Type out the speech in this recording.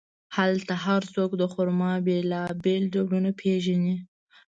هلته هر څوک د خرما بیلابیل ډولونه پېژني.